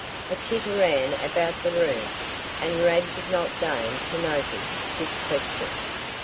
A titter ran about the room, and Rad did not deign to notice this question.